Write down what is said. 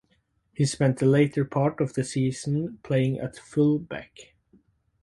He spent the later part of the season playing at full back.